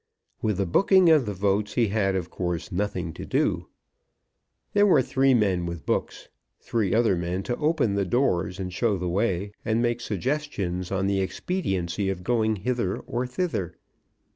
With the booking of the votes he had, of course, nothing to do. There were three men with books; and three other men to open the doors, show the way, and make suggestions on the expediency of going hither or thither.